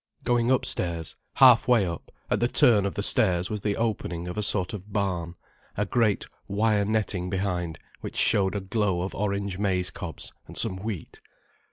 Going upstairs, half way up, at the turn of the stairs was the opening of a sort of barn, a great wire netting behind which showed a glow of orange maize cobs and some wheat.